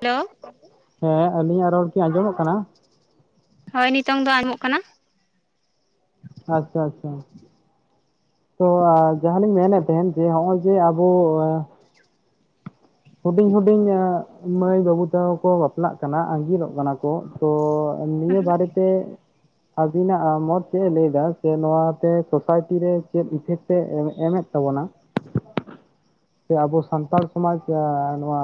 Hello ᱦᱮᱸ ᱟᱹᱞᱤᱧᱟᱜ ᱨᱚᱲ ᱠᱤ ᱟᱸᱡᱚᱢᱚᱜ ᱠᱟᱱᱟ? ᱦᱳᱭ ᱱᱤᱛᱚᱝ ᱫᱚ ᱟᱡᱚᱢᱚᱜ ᱠᱟᱱᱟ? ᱟᱪᱪᱷᱟ ᱟᱪᱪᱷᱟ᱾ ᱛᱚ ᱡᱟᱦᱟᱸ ᱞᱤᱧ ᱢᱮᱱᱮᱫ ᱛᱟᱦᱮᱱ ᱡᱮ ᱱᱚᱜᱼᱚᱭ ᱡᱮ ᱟᱵᱚ ᱦᱩᱰᱤᱧ ᱦᱩᱰᱤᱧ ᱢᱟᱹᱭ ᱵᱟᱹᱵᱩ ᱛᱟᱠᱚ ᱠᱚ ᱵᱟᱯᱞᱟᱜ ᱠᱟᱱᱟ ᱟᱸᱜᱤᱨᱚᱜ ᱠᱟᱱᱟ ᱠᱚ᱾ ᱠᱚ ᱛᱚ ᱱᱤᱭᱟᱹ ᱵᱟᱨᱮᱛᱮ ᱟᱹᱵᱤᱱᱟᱜ ᱢᱚᱛ ᱪᱮᱫ ᱮ ᱞᱟᱹᱭ ᱮᱫᱟ ᱥᱮ ᱱᱚᱣᱟᱛᱮ ᱥᱳᱥᱟᱭᱴᱤ ᱨᱮ ᱪᱮᱫ ᱤᱯᱷᱮᱠᱴ ᱮ ᱮᱢᱮᱫ ᱛᱟᱵᱚᱱᱟ᱾ ᱥᱮ ᱟᱵᱚ ᱥᱟᱱᱛᱟᱲ ᱥᱚᱢᱟᱡᱽ ᱮ ᱱᱚᱣᱟ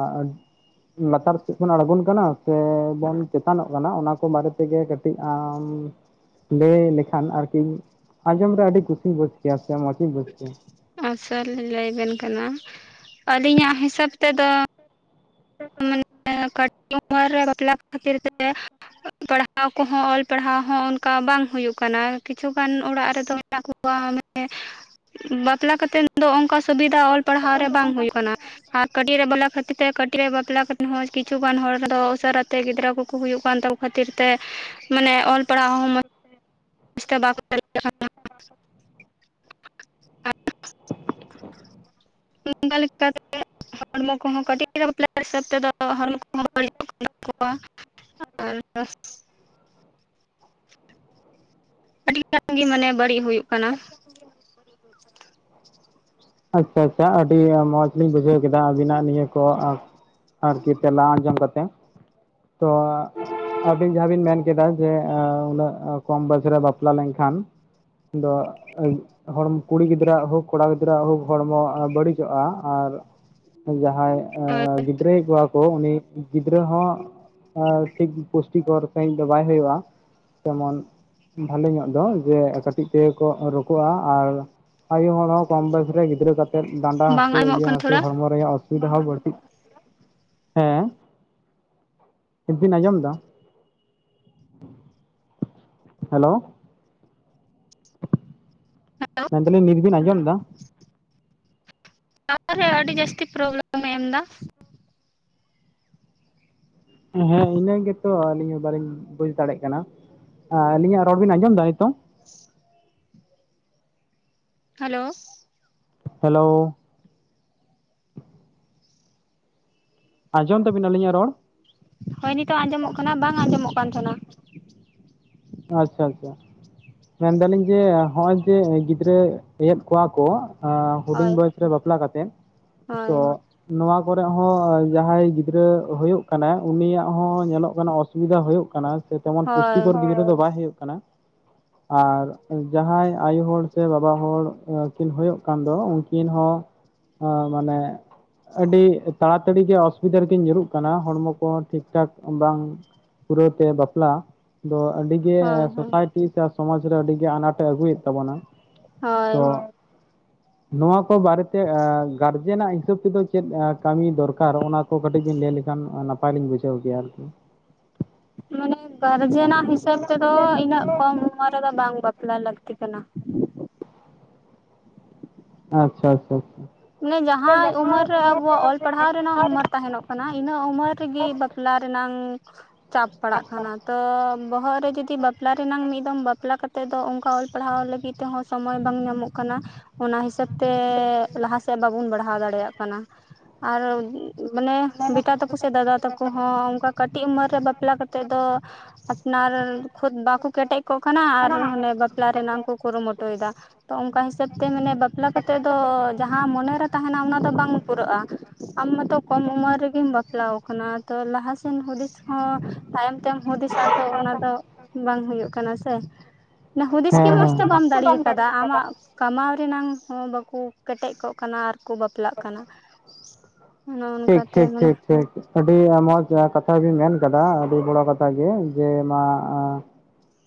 ᱞᱟᱛᱟᱨ ᱥᱮᱫ ᱵᱚᱱ ᱟᱲᱜᱚᱱ ᱠᱟᱱᱟ ᱥᱮᱻᱵᱚᱱ ᱪᱮᱛᱟᱱᱚᱜ ᱠᱟᱱᱟ ᱚᱱᱟ ᱠᱚ ᱵᱟᱨᱮ ᱛᱮᱜᱮ ᱠᱟᱹᱴᱤᱡ ᱟᱢ ᱞᱟᱹᱭ ᱞᱮᱠᱷᱟᱱ ᱟᱨᱠᱤ ᱟᱸᱡᱚᱢ ᱨᱮ ᱟᱹᱰᱤ ᱠᱩᱥᱤᱧ ᱵᱩᱡ ᱠᱮᱭᱟ ᱥᱮ ᱢᱚᱪ ᱤᱧ ᱵᱩᱡ ᱠᱮᱭᱟ᱾ ᱟᱪᱪᱷᱟ ᱞᱤᱧ ᱞᱟᱹᱭᱵᱤᱱ ᱠᱟᱱᱟ ᱟᱹᱞᱤᱧᱟᱜ ᱦᱤᱥᱟᱹᱵ ᱛᱮᱫᱚ [inaudible] ᱠᱟᱹᱴᱤᱡ ᱩᱢᱟᱹᱨ ᱨᱮ ᱵᱟᱯᱞᱟ ᱠᱷᱟᱹᱛᱤᱨ ᱛᱮ ᱯᱟᱲᱦᱟᱣ ᱠᱚᱦᱚᱸ ᱚᱞ ᱯᱟᱲᱦᱟᱣ ᱦᱚᱸ ᱚᱱᱠᱟ ᱵᱟᱝ ᱦᱩᱭᱩᱜ ᱠᱟᱱᱟ, ᱠᱤᱪᱷᱩᱜᱟᱱ ᱚᱲᱟᱜ ᱨᱮᱫᱚ ᱢᱮᱱᱟᱜ ᱠᱚᱣᱟ ᱢᱟᱱᱮ ᱵᱟᱯᱞᱟ ᱠᱟᱛᱮ ᱫᱚ ᱚᱱᱠᱟ ᱥᱩᱵᱤᱫᱷᱟ ᱚᱞ ᱯᱟᱲᱦᱟᱣ ᱨᱮ ᱵᱟᱝ ᱦᱳᱭ ᱠᱟᱱᱟ ᱟᱨ ᱠᱟᱹᱴᱤᱡ ᱨᱮ ᱵᱟᱞᱟ ᱠᱷᱟᱹᱛᱤᱨ ᱛᱮ ᱠᱟᱹᱴᱤᱡ ᱨᱮ ᱵᱟᱯᱞᱟ ᱠᱷᱟᱹᱛᱤᱨ ᱠᱤᱪᱷᱩᱜᱟᱱ ᱦᱚᱲᱫᱚ ᱩᱥᱟᱹᱨᱟᱛᱮ ᱜᱤᱫᱽᱨᱟᱹ ᱠᱚᱠᱚ ᱦᱩᱭᱩᱜ ᱠᱟᱱ ᱛᱟᱠᱚ ᱠᱷᱟᱹᱛᱤᱨ ᱛᱮ ᱢᱟᱱᱮ ᱚᱞ ᱯᱟᱲᱦᱟᱣ ᱦᱚᱸ [inaudible] [inaudible] ᱚᱱᱠᱟ ᱞᱮᱠᱟ ᱠᱟᱛᱮᱜ ᱦᱚᱲᱢᱚ ᱠᱚᱦᱚᱸ ᱠᱟᱹᱴᱤᱡ ᱵᱟᱯᱞᱟ ᱦᱤᱥᱟᱹᱵ ᱛᱮᱫᱚ ᱦᱚᱲᱢᱚ ᱠᱚᱦᱚᱸ [inaudible] ᱠᱚᱣᱟ᱾ [inaudible] ᱟᱹᱰᱤ ᱜᱟᱱ ᱜᱮ ᱢᱟᱱᱮ ᱵᱟᱹᱲᱤᱡ ᱦᱳᱭᱳᱜ ᱠᱟᱱᱟ᱾ ᱟᱪᱪᱷᱟ ᱟᱪᱪᱷᱟ ᱟᱹᱰᱤ ᱢᱚᱸᱡᱽ ᱞᱤᱧ ᱵᱩᱡᱷᱟᱹᱣ ᱠᱮᱫᱟ ᱟᱹᱵᱤᱱᱟᱜ ᱱᱤᱭᱟᱹ ᱠᱚ ᱟᱨᱠᱤ ᱛᱮᱞᱟ ᱟᱸᱡᱚᱢ ᱠᱟᱛᱮ, ᱛᱚ ᱟᱹᱵᱤᱱ ᱡᱟᱦᱟᱸ ᱵᱤᱱ ᱢᱮᱱ ᱠᱮᱫᱟ ᱡᱮ ᱩᱱᱟᱹᱜ ᱠᱚᱢ ᱵᱮᱥ ᱨᱮ ᱵᱟᱯᱞᱟ ᱞᱮᱱᱠᱷᱟᱱ, ᱫᱚ ᱦᱚᱲ ᱠᱩᱲᱤ ᱜᱤᱫᱽᱨᱟᱹᱣᱟᱜ ᱦᱳᱠ ᱠᱚᱲᱟ ᱜᱤᱫᱽᱨᱟᱹᱣᱟᱜ ᱦᱳᱠ ᱦᱚᱲᱢᱚ ᱵᱟᱹᱲᱤᱡᱚᱜᱼᱟ ᱟᱨ ᱡᱟᱦᱟᱸᱭ ᱜᱤᱫᱽ ᱨᱟᱹᱭᱮᱫ ᱠᱚᱣᱟ ᱠᱚ ᱩᱱᱤ ᱜᱤᱫᱽᱨᱟᱹ ᱦᱚᱸ ᱟᱸᱻ ᱴᱷᱤᱠ ᱯᱩᱥᱴᱤᱠᱚᱨ ᱥᱟᱺᱦᱤᱡ ᱫᱚ ᱵᱟᱭ ᱦᱩᱭᱩᱜᱼᱟ ᱛᱮᱢᱚᱱ ᱵᱷᱟᱞᱮ ᱧᱚᱜ ᱫᱚ ᱡᱮ ᱠᱟᱹᱴᱤᱡ ᱛᱮᱠᱚ ᱨᱳᱠᱚᱜᱼᱟ ᱟᱨᱼᱼ ᱟᱭᱩ ᱦᱚᱲ ᱦᱚᱸ ᱠᱚᱢ ᱵᱚᱭᱮᱥ ᱨᱮ ᱜᱤᱫᱽᱨᱟᱹ ᱠᱟᱛᱮᱫ ᱰᱟᱸᱰᱟ ᱵᱟᱝ ᱦᱟᱹᱥᱩ ᱟᱸᱡᱚᱢᱚᱜ ᱤᱭᱟᱹ ᱠᱟᱱᱟ ᱦᱟᱹᱥᱩ ᱛᱷᱚᱲᱟ ᱦᱚᱲᱢᱚ ᱨᱮᱭᱟᱜ ᱚᱥᱼᱼ ᱩᱵᱤᱫᱦᱟ ᱦᱚᱸ ᱵᱟᱲᱛᱤ ᱦᱮᱸ? ᱦᱤᱛ ᱵᱤᱱ ᱟᱸᱡᱚᱢ ᱫᱟ? ᱦᱮᱞᱳ ᱦᱮᱸ [inaudible] ᱢᱮᱱᱫᱟᱞᱤᱧ ᱱᱤᱛᱵᱤᱱ ᱟᱸᱡᱚᱢ ᱫᱟ? ᱛᱟᱯᱳ ᱨᱮ ᱟᱹᱰᱤ ᱡᱟᱹᱥᱛᱤ ᱯᱨᱚᱵᱞᱮᱢ ᱮ ᱮᱢ ᱫᱟ᱾ ᱦᱮᱸ ᱤᱱᱟᱹ ᱜᱮᱛᱚ ᱟᱹᱞᱤᱧ ᱦᱚᱸ ᱵᱟᱹᱞᱤᱧ ᱵᱩᱡᱽ ᱫᱟᱲᱮᱭᱟᱜ ᱠᱟᱱᱟ, ᱟᱹᱞᱤᱧᱟᱜ ᱨᱚᱲ ᱵᱤᱱ ᱟᱸᱡᱚᱢ ᱮᱫᱟ ᱱᱤᱛᱚᱝ? ᱦᱮᱞᱳ᱾ ᱦᱮᱞᱳ᱾ ᱟᱸᱡᱚᱢ ᱫᱟᱵᱤᱱ ᱟᱞᱤᱧᱟᱜ ᱨᱚᱲ? ᱦᱳᱭ ᱱᱤᱛᱚᱜ ᱟᱸᱡᱚᱢᱚᱜ ᱠᱟᱱᱟ ᱵᱟᱝ ᱟᱸᱡᱚᱢᱚᱜ ᱠᱟᱱ ᱛᱟᱦᱮᱱᱟ ᱟᱪᱪᱷᱟ, ᱟᱪᱪᱷᱟ, ᱢᱮᱱᱫᱟᱞᱤᱧ ᱡᱮ ᱦᱚᱜ ᱚᱭ ᱡᱮ ᱜᱤᱫᱽᱨᱟᱹ ᱭᱮᱫᱽ ᱠᱚᱣᱟ ᱠᱚᱼᱼ ᱦᱩᱰᱤᱧ ᱦᱳᱭ ᱵᱚᱭᱚᱥ ᱨᱮ ᱵᱟᱯᱞᱟ ᱠᱟᱛᱮᱫ ᱦᱳᱭ ᱛᱚᱼᱼ ᱱᱚᱣᱟ ᱠᱚᱨᱮ ᱦᱚᱸ ᱡᱟᱦᱟᱸᱭ ᱜᱤᱫᱽᱨᱟᱹ ᱦᱩᱭᱩᱜ ᱠᱟᱱᱟ ᱩᱱᱤᱭᱟᱜ ᱦᱚᱸ ᱧᱮᱞᱚᱜ ᱠᱟᱱᱟᱼᱼ ᱥᱩᱵᱤᱫᱷᱟ ᱦᱩᱭᱩᱜ ᱠᱟᱱᱟ ᱥᱮ ᱛᱮᱢᱚᱱ ᱦᱳᱭ ᱯᱩᱥᱴᱤᱠᱚᱨ ᱜᱤᱫᱽᱨᱟᱹ ᱫᱚ ᱵᱟᱭ ᱦᱩᱭᱩᱜ ᱠᱟᱱᱟ᱾ ᱟᱨ ᱡᱟᱦᱟᱸᱭ ᱟᱭᱳ ᱦᱚᱲ ᱥᱮ ᱵᱟᱵᱟ ᱦᱚᱲ ᱠᱤᱱ ᱦᱭᱳᱜ ᱠᱟᱱ ᱫᱚ ᱩᱱᱠᱤᱱ ᱦᱚᱸ ᱟᱸ ᱢᱟᱱᱮ ᱟᱹᱰᱤ ᱛᱟᱲᱟᱛᱟᱲᱤ ᱜᱮ ᱚᱥᱩᱵᱤᱫᱷᱟ ᱨᱤᱠᱤᱱ ᱧᱩᱨᱩᱜ ᱠᱟᱱᱟ ᱦᱚᱲᱢᱚ ᱠᱚ ᱴᱷᱤᱠ ᱴᱷᱟᱠ ᱵᱟᱝᱼᱼ ᱯᱩᱨᱟᱹᱣ ᱛᱮ ᱵᱟᱯᱞᱟ ᱫᱚ ᱟᱹᱰᱤᱜᱮ ᱦᱳᱭ ᱦᱳᱭ ᱥᱳᱥᱟᱭᱴᱤ ᱥᱮ ᱥᱚᱢᱟᱡᱽ ᱨᱮ ᱟᱹᱰᱤᱜᱮ ᱟᱱᱟᱴᱮ ᱟᱹᱜᱩᱭᱮᱫ ᱛᱟᱵᱚᱱᱟ, ᱦᱳᱭ ᱛᱚᱼᱼ ᱱᱚᱣᱟ ᱠᱚ ᱵᱟᱨᱮᱛᱮ ᱜᱟᱨᱡᱮᱱ-ᱟᱜ ᱦᱤᱥᱟᱹᱵ ᱛᱮᱫᱚ ᱪᱮᱫ ᱠᱟᱹᱢᱤ ᱫᱚᱨᱠᱟᱨ ᱚᱱᱟ ᱠᱚ ᱠᱟᱹᱴᱤᱡ ᱵᱤᱱ ᱞᱟᱹᱭ ᱞᱮᱠᱷᱟᱱ ᱱᱟᱯᱟᱭ ᱞᱤᱧ ᱵᱩᱡᱷᱟᱹᱣ ᱠᱮᱭᱟ ᱟᱨᱠᱤ? ᱢᱟᱱᱮ ᱜᱟᱨᱡᱮᱱᱟᱜ ᱦᱤᱥᱟᱹᱵ ᱛᱮᱫᱚ ᱤᱱᱟᱹᱜ ᱠᱚᱢ ᱩᱢᱟᱹᱨᱼᱼ ᱫᱚ ᱵᱟᱝ ᱵᱟᱯᱞᱟ ᱞᱟᱹᱠᱛᱤ ᱠᱟᱱᱟ᱾ ᱟᱪᱪᱷᱟᱼᱟᱪᱪᱷᱟᱼᱟᱪᱪᱷᱟ ᱢᱟᱱᱮ ᱡᱟᱦᱟᱸᱭ ᱩᱢᱮᱨ ᱨᱮ ᱟᱵᱚᱣᱟᱜ ᱚᱞ ᱯᱟᱲᱦᱟᱣ ᱨᱮᱱᱟᱜ ᱩᱢᱟᱹᱨ ᱛᱟᱦᱮᱱᱚᱜ ᱠᱟᱱᱟ ᱤᱱᱟᱹ ᱩᱢᱮᱨ ᱨᱮᱜᱤ ᱵᱟᱼᱼ ᱯᱞᱟ ᱨᱮᱱᱟᱝ ᱪᱟᱸᱯ ᱯᱟᱲᱟᱜ ᱠᱟᱱᱟ᱾ ᱛᱚ ᱵᱚᱦᱚᱜ ᱨᱮ ᱡᱩᱫᱤ ᱵᱟᱯᱞᱟ ᱨᱮᱱᱟᱝ ᱢᱤᱫ ᱫᱚᱢ ᱵᱟᱯᱞᱟ ᱠᱟᱛᱮᱫ ᱫᱚ ᱚᱱᱠᱟ ᱚᱞ ᱯᱟᱲᱦᱟᱣ ᱞᱟᱹᱜᱤᱫ ᱛᱮᱦᱚᱸ ᱥᱚᱢᱚᱭ ᱵᱟᱝ ᱧᱟᱢᱚᱜ ᱠᱟᱱᱟ ᱚᱱᱟ ᱦᱤᱥᱟᱹᱵ ᱛᱮᱻ ᱞᱟᱦᱟ ᱛᱮ ᱵᱟᱵᱚᱱ ᱵᱟᱲᱦᱟᱣ ᱫᱟᱲᱮᱭᱟᱜ ᱠᱟᱱᱟ ᱟᱨ ᱢᱟᱱᱮ ᱵᱮᱴᱟ ᱛᱟᱠᱚ ᱥᱮ ᱫᱟᱫᱟ ᱛᱟᱠᱚ ᱦᱚᱸ ᱚᱱᱠᱟ ᱠᱟᱹᱴᱤᱡ ᱩᱢᱮᱨ ᱨᱮ ᱵᱟᱯᱞᱟ ᱠᱟᱛᱮᱫ ᱫᱚ, ᱟᱨ ᱠᱷᱩᱫ ᱵᱟᱠᱚ ᱠᱮᱴᱮᱡ ᱠᱚᱜ ᱠᱟᱱᱟ ᱟᱨ ᱦᱚᱱᱮ ᱵᱟᱼᱼ ᱯᱞᱟ ᱨᱮᱱᱟᱝ ᱠᱚ ᱠᱩᱨᱩ ᱢᱩᱴᱩ ᱭᱮᱫᱟ ᱛ ᱚᱱᱠᱟ ᱦᱤᱥᱟᱹᱵ ᱛᱮ ᱢᱟᱱᱮ ᱵᱟᱯᱞᱟ ᱠᱟᱛᱮ ᱫᱚ ᱡᱟᱸᱼᱼ ᱦᱟᱸ ᱢᱚᱱᱮᱨᱮ ᱛᱟᱦᱮ ᱱᱟ ᱚᱱᱟ ᱫᱚ ᱵᱟᱝ ᱯᱩᱨᱟᱹᱜᱼᱟ᱾ ᱟᱢ ᱢᱟᱛᱚ ᱠᱚᱢ ᱩᱢᱮᱨ ᱨᱮᱜᱤᱢ ᱵᱟᱯᱞᱟ ᱟᱠᱟᱱᱟ ᱛᱚ ᱞᱟᱦᱟ ᱥᱮᱱ ᱦᱩᱫᱤᱥ ᱦᱚᱸ ᱛᱟᱭᱚᱢ ᱛᱮᱢ ᱦᱩᱫᱤᱥᱟ ᱛᱚ ᱚᱱᱟ ᱫᱚ ᱵᱟᱝ ᱦᱩᱭᱩᱜ ᱠᱟᱱᱟ ᱥᱮ᱾ ᱦᱩᱫᱤᱥ ᱜᱮ ᱦᱮᱸ ᱢᱚᱸᱡᱽ ᱛᱮ ᱵᱟᱢ ᱦᱮᱸ ᱫᱟᱲᱮ ᱟᱠᱟᱫᱟ ᱟᱢᱟᱜ ᱠᱟᱢᱟᱣ ᱨᱮᱱᱟᱝ ᱦᱚᱸ ᱵᱟᱠᱚᱼᱼ ᱠᱮᱴᱮᱡ ᱠᱚᱜ ᱠᱟᱱᱟ ᱟᱨ ᱠᱚ ᱵᱟᱯᱞᱟᱜ ᱠᱟᱱᱟ ᱚᱱᱮ ᱴᱷᱤᱠ ᱚᱱᱠᱟᱛᱮ ᱴᱷᱤᱠ ᱢᱟᱱᱮ᱾ ᱴᱷᱤᱠ ᱴᱷᱤᱠ ᱟᱹᱰᱤ ᱢᱚᱡᱽ ᱠᱟᱛᱷᱟ ᱵᱤᱱ ᱢᱮᱱ ᱠᱟᱫᱟ ᱟᱹᱰᱤ ᱵᱚᱲᱚ ᱠᱟᱛᱷᱟ ᱜᱮ, ᱡᱮ ᱢᱟᱼᱼ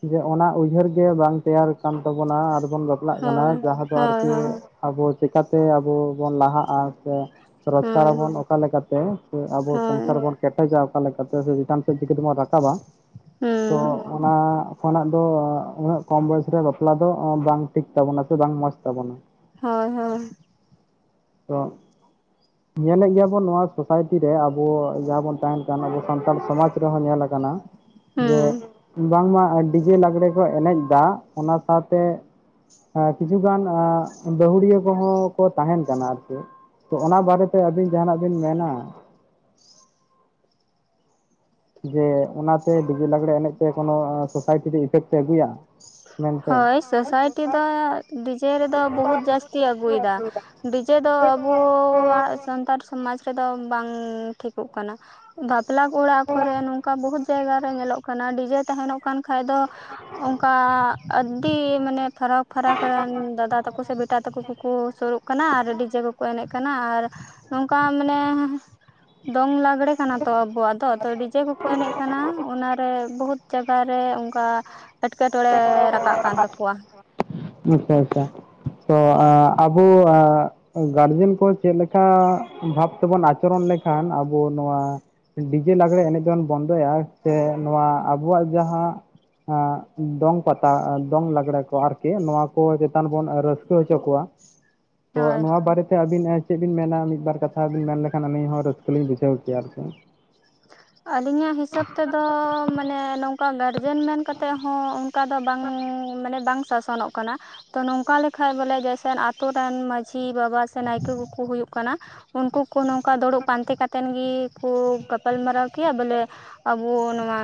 ᱡᱮ ᱚᱱᱟ ᱩᱭᱦᱟᱹᱨ ᱜᱮ ᱵᱟᱝ ᱛᱮᱭᱟᱨ ᱠᱟᱱ ᱛᱟᱵᱚᱱᱟ ᱟᱨᱵᱚᱱ ᱵᱟᱯᱼᱼ ᱞᱟᱜ ᱦᱳᱭ ᱠᱟᱱᱟ ᱡᱟᱦᱟᱸ ᱫᱚ ᱦᱳᱭ ᱟᱨᱠᱤ ᱦᱳᱭ ᱟᱵᱚ ᱪᱤᱠᱟᱹᱛᱮ ᱟᱵᱚ ᱵᱚᱱ ᱞᱟᱦᱟᱜᱼᱟ, ᱥᱮᱼᱼ ᱦᱳᱭ ᱨᱳᱡᱽᱜᱟᱨ ᱟᱵᱚᱱ ᱚᱠᱟ ᱞᱮᱠᱟᱛᱮ ᱟᱵᱚ ᱦᱳᱭ ᱥᱚᱝᱥᱟᱨ ᱵᱚᱱ ᱠᱮᱴᱮᱡᱟ ᱚᱠᱟ ᱞᱮᱠᱟᱛᱮ ᱥᱮ ᱪᱮᱛᱟᱱ ᱥᱮᱫᱽ ᱪᱤᱠᱟᱹ ᱛᱮᱵᱚᱱ ᱨᱟᱠᱟᱵ ᱟ, ᱛᱚ ᱦᱩᱸ ᱚᱱᱟ ᱠᱷᱚᱱᱟᱜ ᱫᱚ ᱩᱱᱟᱹᱜ ᱠᱚᱢ ᱵᱚᱭᱮᱥ ᱨᱮ ᱵᱟᱯᱞᱟ ᱫᱚ ᱵᱟᱝ ᱴᱷᱤᱠ ᱛᱟᱵᱚᱱᱟ ᱥᱮ ᱵᱟᱝ ᱢᱚᱡᱽ ᱛᱟᱵᱚ ᱱᱟ᱾ ᱦᱳᱭ-ᱦᱳᱭ ᱛᱚᱼᱼ ᱧᱮᱞ ᱮᱫ ᱜᱮᱭᱟ ᱵᱚᱱ, ᱱᱚᱣᱟ ᱥᱳᱥᱟᱭᱴᱤ ᱨᱮ ᱟᱵᱚ, ᱚᱻ ᱡᱟᱦᱟᱸ ᱵᱚᱱ ᱛᱟᱦᱮᱸᱱ ᱠᱟᱱ, ᱟᱵᱚ ᱥᱟᱱᱛᱟᱲ ᱥᱚᱢᱟᱡᱽᱼ ᱨᱮᱦᱚᱸ ᱧᱮᱞᱟᱠᱟᱱᱟ ᱡᱮ ᱦᱩᱸ ᱵᱟᱝᱢᱟ ᱰᱤᱡᱮ ᱞᱟᱜᱽᱲᱮ ᱠᱚ ᱮᱱᱮᱡ ᱫᱟ ᱚᱱᱟ ᱥᱟᱣᱛᱮ ᱮᱸ ᱠᱤᱪᱷᱩ ᱜᱟᱱ ᱮᱸ ᱵᱟᱹᱦᱩᱲᱤᱭᱟᱹ ᱠᱚᱦᱚᱸ ᱠᱚ ᱛᱟᱦᱮᱱ ᱠᱟᱱᱟ ᱟᱨᱠᱤ ᱛᱚ ᱚᱱᱟ ᱵᱟᱨᱮᱛᱮ ᱟᱹᱵᱤᱱ ᱡᱟᱦᱟᱸᱱᱟᱜ ᱵᱤᱱ ᱢᱮᱱᱟ᱾ ᱡᱮ ᱚᱱᱟᱛᱮ ᱰᱤᱡᱮ ᱞᱟᱜᱽᱲᱮ ᱮᱱᱮᱡ ᱛᱮ ᱠᱳᱱᱳ ᱥᱳᱥᱟᱭᱴᱤ ᱨᱮ ᱤᱯᱷᱮᱠᱴ ᱮ ᱟᱹᱜᱩᱭᱟ? ᱢᱮᱱᱛᱮ ᱦᱳᱭ ᱥᱳᱥᱟᱭᱴᱤ ᱫᱚᱻ ᱰᱤᱡᱮ ᱨᱮᱫᱚ ᱵᱩᱦᱩᱛ ᱡᱟᱹᱥᱛᱤ ᱟᱹᱜᱩᱭᱫᱟ᱾ ᱰᱤᱡᱮ ᱫᱚ ᱟᱵᱩᱻᱣᱟᱜ ᱥᱟᱱᱛᱟᱲ ᱥᱚᱢᱟᱡᱽ ᱨᱮᱫᱚ ᱵᱟᱝᱻ ᱴᱷᱤᱠᱳᱜ ᱠᱟᱱᱟ᱾ ᱵᱟᱯᱞᱟ ᱠᱩᱲᱟᱜ ᱠᱚᱨᱮ ᱱᱚᱝᱠᱟ ᱵᱩᱦᱩᱛ ᱡᱟᱭᱜᱟ ᱨᱮ ᱧᱮᱞᱚᱜ ᱠᱟᱱᱟ ᱰᱤᱡᱮ ᱛᱟᱦᱮᱱᱚᱜ ᱠᱟᱱ ᱠᱷᱟᱡ ᱫᱚ ᱚᱝᱠᱟᱻ ᱟᱹᱰᱰᱤᱻ ᱢᱟᱱᱮ ᱯᱷᱟᱨᱟᱠᱼᱯᱷᱟᱨᱟᱠ ᱨᱮᱱ ᱫᱟᱫᱟ ᱛᱟᱠᱩ ᱥᱮ ᱵᱮᱴᱟ ᱛᱟᱠᱩ ᱠᱩ ᱠᱚ ᱥᱩᱨᱩᱜ ᱠᱟᱱᱟ ᱾ ᱟᱨ ᱰᱤᱡᱮ ᱠᱚᱠᱚ ᱮᱱᱮᱜ ᱠᱟᱱᱟ ᱾ ᱟᱨ ᱱᱚᱝᱠᱟ ᱢᱟᱱᱮ, ᱼᱼ ᱫᱚᱝ ᱞᱟᱜᱽᱲᱮ ᱠᱟᱱᱟ ᱛᱚ ᱟᱵᱚᱣᱟᱜ ᱫᱚ ᱛᱚ ᱰᱤᱡᱮ ᱠᱚᱠᱚ ᱮᱱᱮᱡ ᱠᱟᱱᱟ, ᱚᱱᱟᱨᱮ ᱵᱩᱦᱩᱛ ᱡᱟᱜᱟ ᱨᱮ ᱚᱝᱠᱟ ᱮᱴᱠᱮᱴᱚᱬᱮᱻ ᱨᱟᱠ ᱠᱟᱜ ᱠᱟᱱ ᱛᱟᱠᱚᱣᱟ᱾ ᱟᱪᱪᱷᱟ ᱟᱪᱪᱷᱟ ᱛᱚ ᱟᱸᱜ ᱟᱵᱚᱣᱟᱜ ᱜᱟᱨᱡᱮᱱ ᱠᱚ ᱪᱮᱫ ᱞᱮᱠᱟᱻ ᱵᱷᱟᱵᱽ ᱛᱮᱵᱚᱱ ᱟᱪᱚᱨᱚᱱ ᱞᱮᱠᱷᱟᱱ ᱟ ᱵᱚ ᱱᱚᱣᱟ ᱰᱤᱡᱮ ᱞᱟᱜᱽᱲᱮ ᱮᱱᱮᱡ ᱫᱚᱱ ᱵᱚᱱᱫᱚᱭᱟ, ᱥᱮ ᱱᱚᱣᱟ ᱟᱵᱚᱣᱟᱜ ᱡᱟᱦᱟᱸ ᱦᱮᱸᱜ ᱫᱚᱝ ᱯᱟᱛᱟ ᱫᱚᱝ ᱞᱟᱜᱽᱲᱮ ᱠᱚ ᱟᱨᱠᱤ ᱱᱚᱣᱟ ᱠᱚ ᱪᱮᱛᱟᱱ ᱵᱚᱱ ᱨᱟᱹᱥᱠᱟᱹ ᱦᱚᱪᱚ ᱠᱚᱣᱟ᱾ ᱛᱚ ᱦᱳᱭ ᱱᱚᱣᱟ ᱵᱟᱨᱮᱛᱮ ᱟᱹᱵᱤᱱ ᱪᱮᱫ ᱵᱤᱱ ᱢᱮᱱᱟ ᱢᱤᱫ-ᱵᱟᱨ ᱠᱟᱛᱷᱟ ᱵᱤᱱ ᱢᱮᱱ ᱞᱮᱠᱷᱟᱱ ᱟᱹᱞᱤᱧ ᱦᱚᱸ ᱨᱟᱹᱥᱠᱟᱹ ᱞᱤᱧ ᱵᱩ ᱡᱷᱟᱹᱣ ᱠᱮᱭᱟ ᱟᱨᱠᱤ ᱟᱹᱞᱤᱧᱟᱜ ᱦᱤᱥᱟᱹᱵ ᱛᱮᱫᱚᱻ ᱢᱟᱱᱮ ᱱᱚᱝᱠᱟ ᱞᱮᱰᱵᱮᱱ ᱢᱮᱱ ᱠᱟᱛᱮᱜ ᱦᱚᱸ ᱚᱝᱠᱟ ᱫᱚ ᱵᱟᱝᱻ ᱢᱟᱱᱮ ᱵᱟᱝ ᱥᱟᱥᱚᱱᱚᱜ ᱠᱟᱱᱟ᱾ ᱛᱚ ᱱᱚᱝᱠᱟ ᱞᱮᱠᱷᱟᱡ ᱵᱚᱞᱮ ᱡᱮᱭᱥᱨ ᱟᱛᱩ ᱨᱮᱱ ᱢᱟᱺᱡᱷᱤ ᱵᱟᱵᱟ ᱥᱮ ᱱᱟᱭᱠᱮ ᱠᱩᱠᱩ ᱦᱩᱭᱩᱜ ᱠᱟᱱᱟ, ᱩᱱᱠᱩ ᱠᱩ ᱱᱚᱝᱠᱟ ᱫᱩᱲᱩᱵ ᱯᱟᱱᱛᱮ ᱠᱟᱛᱮᱱ ᱜᱤ ᱠᱩ ᱜᱟᱯᱟᱞ ᱢᱟᱨᱟᱣ ᱠᱮᱭᱟ ᱵᱚᱞᱮ ᱟᱵᱚ ᱱᱚᱣᱟ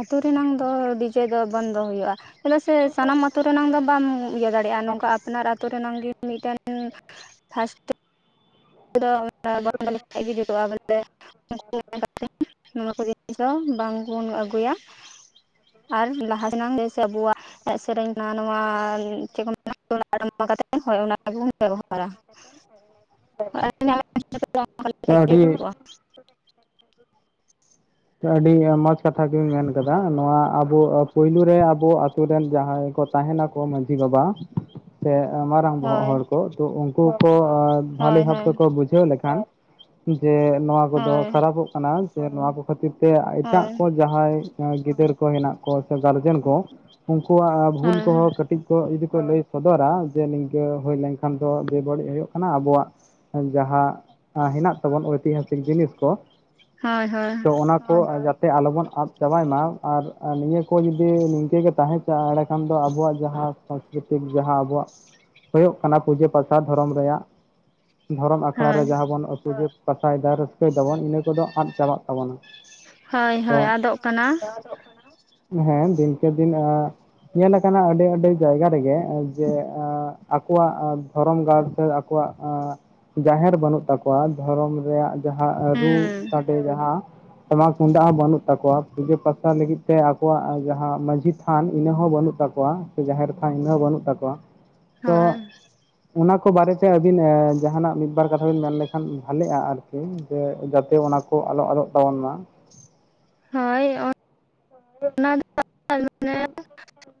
ᱟᱛᱩ ᱨᱮᱱᱟᱝ ᱫᱚ ᱰᱤᱡᱮ ᱫᱚ ᱵᱚᱱᱫᱚ ᱦᱩᱭᱩᱜ-ᱟ᱾ ᱪᱮᱫᱟᱜ ᱥᱮ ᱥᱟᱱᱟᱢ ᱟᱛᱳ ᱨᱮᱱᱟᱝ ᱫᱚ ᱵᱟᱢ ᱤᱭᱟᱹ ᱫᱟᱲᱮᱭᱟᱜ-ᱟ ᱱᱚᱝᱠᱟ ᱟᱯᱱᱟᱨ ᱟᱛᱳ ᱨᱮᱱᱟᱝ ᱜᱮ ᱢᱤᱫ ᱴᱮᱱ ᱥᱟᱥᱛᱷᱚ [inaudible] ᱡᱩᱛᱩᱜ-ᱟ ᱵᱚᱞᱮ [inaudible] ᱱᱚᱣᱟ ᱠᱚ ᱡᱤᱱᱤᱥ ᱫᱚ ᱵᱟᱝ ᱵᱚᱱ ᱟᱹᱜᱩᱭᱟ᱾ ᱟᱨ ᱞᱟᱦᱟ [inaudible] ᱜᱮ ᱥᱮ ᱟᱵᱚᱣᱟᱜ ᱮᱱᱮᱡ ᱥᱮᱨᱮᱧ ᱱᱟ ᱱᱚᱣᱟᱻ ᱪᱮᱫ ᱠᱚ [inaudible] ᱦᱳᱭ ᱚᱱᱟ ᱠᱚᱜᱮ ᱵᱚᱱ ᱵᱮᱵᱚᱦᱟᱨᱟ᱾ [inaudible] [inaudible] ᱛᱚ ᱟᱹᱰᱤ ᱠᱚᱜ-ᱟ᱾ ᱟᱹᱰᱤ ᱢᱚᱸᱡᱽ ᱠᱟᱛᱷᱟ ᱵᱤᱱ ᱢᱮᱱ ᱠᱟᱫᱟ ᱱᱚᱣᱟ ᱟᱵᱚ ᱯᱳᱭᱞᱳ ᱨᱮ ᱟᱵᱚ ᱟᱛᱩ ᱨᱮᱱ ᱡᱟᱦᱟᱸᱭ ᱠᱚ ᱛᱟᱦᱮᱱᱟ ᱠᱚ ᱢᱟᱺᱡᱷᱤ ᱵᱟᱵᱟ ᱥᱮ ᱢᱟᱨᱟᱝ ᱵᱚᱦᱚᱜ ᱦᱚᱲ ᱠᱚ ᱛᱳ ᱩᱱᱠᱩ ᱠᱚ ᱵᱷᱟᱞᱤ ᱵᱷᱟᱵ ᱦᱳᱭ ᱛᱮᱠᱚ ᱵᱩᱡᱷᱟᱹᱣ ᱞᱮᱠᱷᱟᱱ ᱡᱮ ᱱᱚᱣᱟ ᱠᱚᱫᱚ ᱦᱳᱭ ᱠᱷᱟᱨᱟᱯᱚᱜ ᱠᱟᱱᱟ ᱡᱮ ᱱᱚᱣᱟ ᱠᱚ ᱠᱷᱟᱹᱛᱤᱨ ᱛᱮ ᱦᱳᱭ ᱮᱴᱟᱜ ᱠᱚ ᱡᱟᱦᱟᱸᱭ ᱜᱤᱫᱟᱹᱨ ᱠᱚ ᱦᱮᱱᱟᱜ ᱠᱚ ᱥᱮ ᱜᱟᱨᱡᱮᱱ ᱠᱚ ᱩᱱᱠᱩᱣᱟᱜ ᱵᱷᱩᱞ ᱠᱚᱦᱚᱸ ᱦᱳᱭ ᱠᱟᱹᱴᱤᱡ ᱡᱮ ᱡᱩᱫᱤ ᱠᱚ ᱞᱟᱹᱭ ᱥᱚᱫᱚᱨᱟ ᱡᱮ ᱱᱤᱝᱠᱟᱹ ᱦᱳᱭ ᱞᱮᱝᱠᱷᱟᱱ ᱫᱚ ᱵᱮ-ᱵᱟᱹᱲᱤᱡ ᱦᱳᱭᱳᱜ ᱠᱟᱱᱟ, ᱟᱵᱚᱣᱟᱜ ᱡᱟᱦᱟᱸ ᱦᱮᱱᱟᱜ ᱛᱟᱵᱚᱱ ᱳᱭᱛᱤᱦᱟᱥᱤᱠ ᱡᱤᱱᱤᱥ ᱠᱚ ᱦᱚᱭ ᱦᱚᱭ ᱛᱚ ᱚᱱᱟ ᱠᱚ ᱡᱟᱛᱮ ᱟᱞᱚᱵᱚᱱ ᱟᱫ ᱪᱟᱵᱟᱭ ᱢᱟ ᱟᱨ ᱱᱤᱭᱟᱹ ᱠᱚ ᱡᱩᱫᱤ ᱱᱤᱝᱠᱟᱹ ᱜᱮ ᱛᱟᱦᱮᱸ ᱮᱲᱮ ᱠᱷᱟᱱ ᱫᱚ ᱟᱵᱚᱣᱟᱜ ᱡᱟᱦᱟᱸ ᱥᱚᱸᱥᱠᱨᱤᱛᱤᱠ ᱡᱟᱦᱟᱸ ᱟᱵᱚᱣᱟᱜ ᱦᱳᱭᱳᱜ ᱠᱟᱱᱟ ᱯᱩᱡᱟᱹ ᱯᱟᱥᱟ ᱫᱷᱚᱨᱚᱢ ᱨᱮᱭᱟᱜ ᱫᱷᱚᱨᱚᱢ ᱟᱠᱷᱲᱟ ᱨᱮ ᱦᱳᱭ ᱡᱟᱦᱟᱸ ᱵᱚᱱ ᱯᱩᱡᱟᱹ ᱯᱟᱥᱟᱭ ᱫᱟ ᱨᱟᱹᱥᱠᱟᱹᱭ ᱫᱟᱵᱚᱱ ᱤᱱᱟᱹ ᱠᱚᱫᱚ ᱟᱫ ᱪᱟᱵᱟᱜ ᱛᱟᱵᱚᱱᱟ ᱦᱚᱭ ᱦᱚᱭ ᱛᱚ ᱟᱫᱚᱜ ᱠᱟᱱᱟ ᱦᱮᱸ ᱫᱤᱱᱠᱮ ᱫᱤᱱ ᱟᱸᱜ ᱧᱮᱞ ᱟᱠᱟᱱᱟ ᱟᱹᱰᱤ ᱟᱹᱰᱤ ᱡᱟᱭᱜᱟ ᱨᱮᱜᱮ ᱡᱮ ᱟᱸᱜ ᱟᱠᱚᱣᱟᱜ ᱫᱷᱚᱨᱚᱢ ᱜᱟᱲ ᱥᱮ ᱟᱠᱚᱣᱟᱜ ᱡᱟᱦᱮᱨ ᱵᱟᱹᱱᱩᱜ ᱛᱟᱠᱚᱣᱟ ᱫᱷᱚᱨᱚᱢ ᱨᱮᱭᱟᱜ ᱡᱟᱦᱟᱸ ᱨᱩ ᱦᱩᱸ ᱥᱟᱰᱮ ᱡᱟᱦᱟᱸ ᱴᱟᱢᱟᱠ ᱛᱩᱢᱫᱟᱜ ᱦᱚᱸ ᱵᱟᱹᱱᱩᱜ ᱛᱟᱠᱚᱣᱟ ᱯᱩᱡᱟᱹ ᱯᱟᱥᱟ ᱞᱟᱹᱜᱤᱫ ᱛᱮ ᱟᱠᱚᱣᱟᱜ ᱡᱟᱦᱟᱸ ᱢᱟᱺᱡᱷᱤ ᱛᱷᱟᱱ ᱤᱱᱟᱹ ᱦᱚᱸ ᱵᱟᱹᱱᱩᱜ ᱛᱟᱠᱚᱣᱟ ᱥᱮ ᱡᱟᱦᱮᱨ ᱛᱷᱟᱱ ᱤᱱᱟᱹ ᱦᱚᱸ ᱵᱟᱹᱱᱩᱜ ᱛᱟᱠᱚᱣᱟ ᱛᱚ ᱦᱳᱭ ᱚᱱᱟ ᱠᱚ ᱵᱟᱨᱮᱛᱮ ᱟᱹᱵᱤᱱ ᱡᱟᱦᱟᱱᱟᱜ ᱢᱤᱫ ᱵᱟᱨ ᱠᱟᱛᱷᱟ ᱵᱤᱱ ᱢᱮᱱ ᱞᱮᱠᱷᱟᱱ ᱵᱷᱟᱞᱮᱜᱼᱟ ᱟᱨᱠᱤ ᱥᱮ ᱡᱟᱛᱮ ᱚᱱᱟ ᱠᱚ ᱟᱞᱚ ᱟᱫᱚᱜ ᱛᱟᱵᱚᱱ ᱢᱟ ᱦᱳᱭᱻ ᱚᱱᱟ ᱫᱚ ᱢᱮᱱᱮ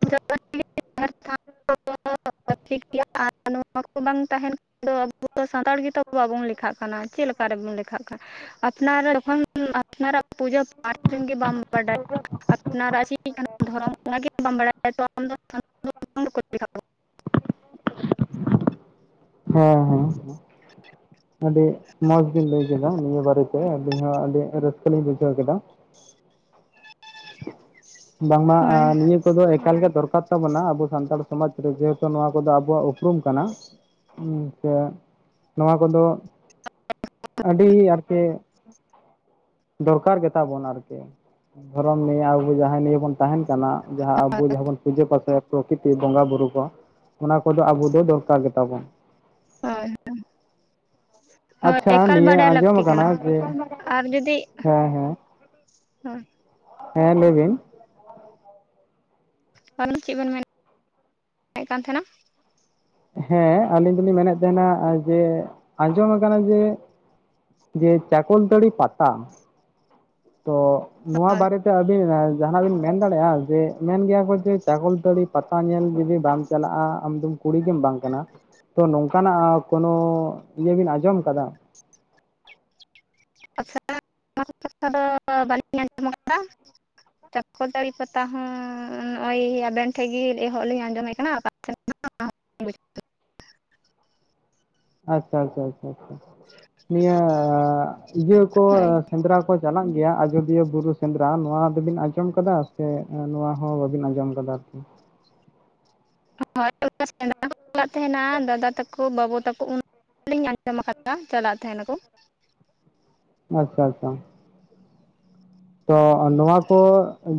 [unintelligible] [unintelligible] ᱴᱷᱤᱠ ᱜᱮᱭᱟ ᱟᱨ ᱱᱚᱣᱟᱠᱚ ᱵᱟᱝ ᱛᱟᱦᱮᱱ ᱟᱵᱚ ᱫᱚ ᱥᱟᱱᱛᱟᱲ ᱜᱮᱛᱚ ᱵᱟᱵᱚᱱ ᱞᱮᱠᱷᱟᱜ ᱠᱟᱱᱟ ᱪᱮᱫ ᱞᱮᱠᱟ ᱨᱮᱵᱚᱱ ᱞᱮᱠᱷᱟᱜ ᱠᱟᱱᱟ [unintelligible] ᱟᱯᱱᱟᱨ ᱡᱚᱠᱷᱚᱱ ᱟᱯᱱᱟᱨ ᱯᱩᱡᱟᱹ ᱯᱟᱴ ᱜᱮ ᱵᱟᱢ ᱵᱟᱰᱟᱭ ᱦ [inaudible] ᱟᱯᱱᱟᱨᱟᱜ [inaudible] ᱠᱟᱱᱟ ᱫᱷᱚᱨᱚᱢ ᱚᱱᱟ ᱜᱮ ᱵᱟᱢ ᱵᱟᱲᱟᱭᱟ ᱛᱚ ᱟᱢ ᱫᱚ [inaudible] ᱦᱮᱸ ᱦᱮᱸ [inaudible] ᱟᱹᱰᱤ ᱢᱚᱸᱡᱽ ᱵᱤᱱ ᱞᱟᱹᱭ ᱠᱮᱫᱟ ᱱᱤᱭᱟᱹ ᱵᱟᱨᱮ ᱛᱮ ᱟᱹᱞᱤᱧ ᱦᱚᱸ ᱟᱹᱰᱤ ᱨᱟᱹᱥᱠᱟᱹ ᱞᱤᱧ ᱵᱩᱡᱷᱟᱹᱣ ᱠᱮᱫᱟ ᱵᱟᱝᱢᱟ ᱦᱳᱭ ᱱᱤᱭᱟᱹ ᱠᱚᱫᱚ ᱮᱠᱟᱞᱜᱮ ᱫᱚᱨᱠᱟᱨ ᱛᱟᱵᱚᱱᱟ ᱟᱵᱚ ᱥᱟᱱᱛᱟᱲ ᱥᱚᱢᱟᱡᱽ ᱨᱮ ᱡᱮᱦᱮᱛᱩ ᱱᱚᱣᱟ ᱠᱚᱫᱚ ᱟᱵᱚᱣᱟᱜ ᱩᱯᱨᱩᱢ ᱠᱟᱱᱟ ᱦᱩᱸ ᱥᱮ ᱱᱚᱣᱟ ᱠᱚᱫᱚ ᱟᱹᱰᱤ ᱟᱨᱠᱮ ᱫᱚᱨᱠᱟᱨ ᱜᱮ ᱛᱟᱵᱚᱱ ᱟᱨᱠᱤ ᱫᱷᱚᱨᱚᱢ ᱱᱤᱭᱮ ᱟᱵᱚ ᱡᱟᱦᱟᱸᱭ ᱱᱤᱭᱮ ᱵᱚᱱ ᱛᱟᱦᱮᱱ ᱠᱟᱱᱟ ᱡᱟᱦᱟᱸ ᱟᱵᱚ ᱡᱟᱦᱟᱸ ᱵᱚᱱ ᱯᱩᱡᱟᱹ ᱯᱟᱥᱮ ᱯᱨᱚᱠᱤᱛᱤ ᱵᱚᱸᱜᱟ ᱵᱩᱨᱩ ᱠᱚ ᱚᱱᱟ ᱠᱚᱫᱚ ᱟᱵᱚ ᱫᱚ ᱫᱚᱨᱠᱟᱨ ᱜᱮ ᱛᱟᱵᱚᱱ ᱦᱳᱭ ᱦᱮᱸ ᱦᱳᱭ ᱟᱪᱪᱷᱟ ᱮᱠᱟᱞ ᱱᱤᱭᱟᱹ ᱵᱟᱰᱟᱭ ᱟᱸᱡᱚᱢ ᱞᱟᱹᱠᱛᱤ ᱟᱠᱟᱱᱟ ᱠᱟᱱᱟ ᱡᱮ ᱟᱨ ᱡᱩᱫᱤ ᱦᱮᱸ ᱦᱮᱸ ᱦᱳᱭ ᱦᱮᱸ ᱞᱟᱹᱭ ᱵᱤᱱ ᱵᱚᱢ ᱪᱮᱫ ᱵᱮᱱ ᱢᱮᱱᱮᱫ ᱢᱮᱱᱮᱫ ᱛᱟᱦᱮᱱᱟ [inaudible] ᱦᱮᱸ ᱟᱹᱞᱤᱧ ᱫᱚᱞᱤᱧ ᱢᱮᱱᱮᱫ ᱛᱟᱦᱮᱱᱟ ᱡᱮ ᱟᱸᱡᱚᱢ ᱟᱠᱟᱱᱟ ᱡᱮ ᱡᱮ ᱪᱟᱠᱚᱞᱛᱟᱹᱲᱤ ᱯᱟᱛᱟ ᱛᱚ ᱱᱚᱣᱟ ᱦᱳᱭ ᱵᱟᱨᱮᱛᱮ ᱟᱹᱵᱤᱱ ᱡᱟᱦᱱᱟᱜ ᱵᱮᱱ ᱢᱮᱱ ᱫᱟᱲᱮᱭᱟᱜᱼᱟ ᱡᱮ ᱢᱮᱱ ᱜᱮᱭᱟ ᱠᱚ ᱡᱮ ᱪᱟᱠᱚᱞ ᱫᱟᱹᱲᱤ ᱯᱟᱛᱟ ᱧᱮᱞ ᱡᱩᱫᱤ ᱵᱟᱢ ᱪᱟᱞᱟᱜᱼᱟ ᱟᱢᱫᱚᱢ ᱠᱩᱲᱤ ᱜᱮᱢ ᱵᱟᱝ ᱠᱟᱱᱟ ᱛᱚ ᱱᱚᱝᱠᱟᱱᱟᱜ ᱠᱳᱱᱳ ᱤᱭᱟᱹ ᱵᱤᱱ ᱟᱸᱡᱚᱢ ᱟᱠᱟᱫᱟ [unintelligible] ᱫᱚ ᱵᱟᱹᱞᱤᱧ ᱟᱸᱡᱚᱢ ᱠᱟᱫᱟ ᱪᱟᱠᱚᱚᱨ ᱫᱟᱹᱲᱤ ᱯᱟᱛᱟ ᱦᱚᱸ ᱱᱚᱜᱼᱚᱭ ᱟᱵᱮᱱ ᱴᱷᱮᱱ ᱜᱮ ᱮᱦᱚᱵ ᱞᱤᱧ ᱟᱸᱡᱚᱢ ᱮ ᱠᱟᱱᱟ [unintelligible] ᱵᱩᱡᱽ [inaudible] ᱟᱪᱪᱷᱟ ᱟᱪᱪᱷᱟ ᱱᱤᱭᱟᱹ ᱤᱭᱟᱹ ᱠᱚ ᱦᱳᱭ ᱥᱮᱸᱫᱽᱨᱟ ᱠᱚ ᱪᱟᱞᱟᱜ ᱜᱮᱭᱟ ᱟᱡᱚᱫᱤᱭᱟᱹ ᱵᱩᱨᱩ ᱥᱮᱸᱫᱽᱨᱟ ᱱᱚᱣᱟ ᱫᱚᱵᱤᱱ ᱟᱸᱡᱚᱢ ᱟᱠᱟᱫᱟ ᱥᱮ ᱱᱚᱣᱟ ᱦᱚᱸ ᱵᱟᱵᱤᱱ ᱟᱸᱡᱚᱢ ᱟᱠᱟᱫᱟ ᱵᱟᱫᱛᱮ [inaudible] ᱦᱳᱭ ᱥᱮᱸᱫᱽᱨᱟ ᱦᱚᱸ [unintelligible] ᱪᱟᱞᱟᱜ ᱛᱟᱦᱮᱸᱱᱟ ᱫᱟᱫᱟ ᱛᱟᱠᱚ ᱵᱟᱹᱵᱩ ᱛᱟᱠᱚ ᱩᱱ [unintelligible] ᱩᱱᱸ ᱞᱤᱧ ᱟᱸᱡᱚᱢ ᱟᱠᱟᱫᱟ ᱪᱟᱞᱟᱜ ᱛᱟᱦᱮᱱᱟ ᱠᱚ ᱟᱪᱪᱷᱟ ᱟᱪᱪᱷᱟ ᱛᱚ ᱱᱚᱣᱟ ᱠᱚ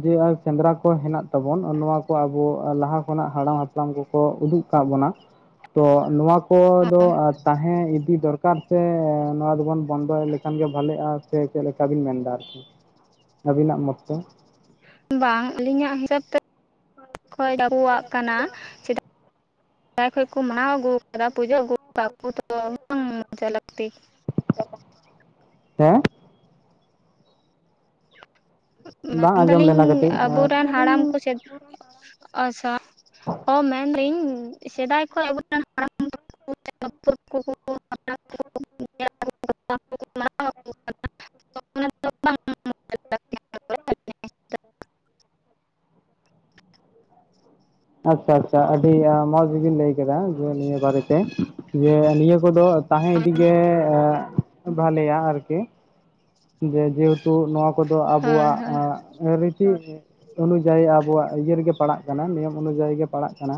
ᱡᱮ ᱥᱮᱸᱫᱽᱨᱟ ᱠᱚ ᱦᱮᱱᱟᱜ ᱛᱟᱵᱚᱱ ᱱᱚᱣᱟ ᱠᱚ ᱟᱵᱚ ᱞᱟᱦᱟ ᱠᱷᱚᱱᱟᱜ ᱦᱟᱲᱟᱢ ᱦᱟᱯᱲ ᱦᱟᱯᱲᱟᱢ ᱠᱚᱠᱚ ᱩᱫᱩᱜ ᱟᱠᱟᱫ ᱵᱚᱱᱟ ᱛᱚ ᱱᱚᱣᱟ ᱠᱚᱫᱚ ᱛᱟᱦᱮᱸ ᱤᱫᱤ ᱫᱚᱨᱠᱟᱨ ᱥᱮ ᱱᱚᱣᱟ ᱫᱚᱵᱚᱱ ᱵᱚᱱᱫᱚᱭ ᱞᱮᱠᱷᱟᱱ ᱜᱮ ᱵᱷᱟᱞᱮᱜᱼᱟ ᱥᱮ ᱪᱮᱫ ᱞᱮᱠᱟ ᱵᱤᱱ ᱢᱮᱱ ᱮᱫᱟ ᱟᱨᱠᱤ ᱟᱹᱵᱤᱱᱟᱜ ᱢᱚᱛ ᱛᱮ ᱵᱟᱝ ᱟᱹᱞᱤᱧᱟᱜ ᱦᱤᱥᱟᱹᱵ ᱛᱮ ᱟᱵᱩᱣᱟᱜ ᱠᱟᱱᱟ ᱪᱮᱫ ᱥᱮᱫᱟᱭ ᱠᱷᱚᱱ ᱠᱚ ᱢᱟᱱᱟᱣ ᱟᱹᱜᱩᱣ ᱟᱠᱟᱫᱟ ᱯᱩᱡᱟᱹ ᱟᱹᱜᱩ ᱟᱠᱟᱫᱟ ᱵᱟᱠᱩ ᱛᱚ ᱵᱟᱝ ᱢᱚᱡᱟ ᱞᱟᱠᱛᱤ ᱦᱮᱸ ᱵᱟᱝ ᱢᱮᱱ ᱟᱸᱡᱚᱢ ᱫᱟᱞᱤᱧ ᱞᱮᱱᱟ ᱠᱟᱹᱴᱤᱡ ᱟᱵᱩᱨᱮᱱ ᱦᱟᱲᱟᱢ ᱠᱚ ᱪᱮᱫ [inaudible] ᱚ ᱢᱮᱱᱫᱟᱹᱧ ᱥᱮᱫᱟᱭ ᱠᱷᱚᱱ ᱟᱵᱚᱨᱮᱱ ᱦᱟᱲᱟᱢ [unintelligible] [unintelligible] ᱟᱪᱪᱷᱟ ᱟᱪᱪᱷᱟ᱾ ᱟᱹᱰᱤ ᱢᱚᱸᱡᱽ ᱵᱤᱱ ᱞᱟᱹᱭ ᱠᱮᱫᱟ ᱡᱮ ᱱᱤᱭᱟᱹ ᱵᱟᱨᱮᱛᱮ ᱡᱮ ᱱᱤᱭᱟᱹ ᱠᱚᱫᱚ ᱛᱟᱦᱮᱸ ᱤᱫᱤ ᱜᱮ ᱵᱷᱟᱞᱮᱭᱟ ᱟᱨᱠᱤ ᱡᱮ ᱡᱮᱦᱮᱛᱩ ᱱᱚᱣᱟ ᱠᱚᱫᱚ ᱦᱳᱭ ᱟᱵᱚᱣᱟᱜ ᱦᱳᱭ ᱟᱸᱜ ᱨᱤᱛᱤ ᱚᱱᱩᱡᱟᱭᱤ ᱟᱵᱚᱣᱟᱜ ᱤᱭᱟᱹ ᱨᱮᱜᱮ ᱯᱟᱲᱟᱜ ᱠᱟᱱᱟ᱾ᱱᱤᱭᱚᱢ ᱚᱱᱩᱡᱟᱭᱤ ᱜᱮ ᱯᱟᱲᱟᱜ ᱠᱟᱱᱟ᱾